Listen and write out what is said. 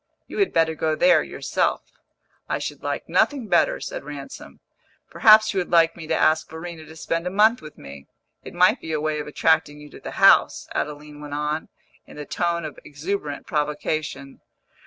You had better go there yourself." "I should like nothing better," said Ransom. "Perhaps you would like me to ask Verena to spend a month with me it might be a way of attracting you to the house," Adeline went on, in the tone of exuberant provocation.